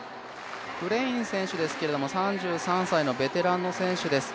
フレイン選手ですけど３３歳のベテランの選手です。